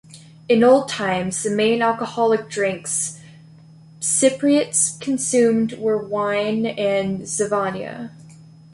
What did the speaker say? In old times, the main alcoholic drinks Cypriots consumed were wine and zivania.